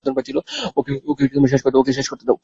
ওকে শেষ করতে দাও।